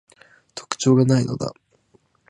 特徴が無いのだ